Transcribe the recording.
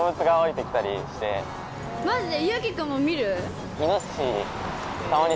マジで？